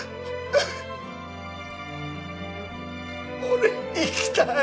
俺生きたい。